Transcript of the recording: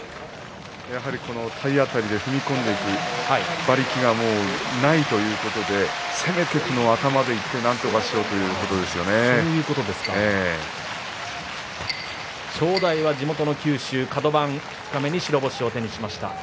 体当たりで踏み込んでいくそういった馬力がないということでせめて頭からいってなんとかしようという正代は地元九州カド番二日目にして白星を手にしました。